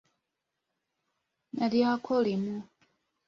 Nalyako limu.